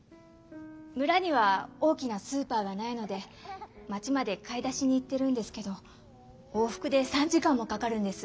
村には大きなスーパーがないので町まで買い出しに行ってるんですけど往復で３時間もかかるんです。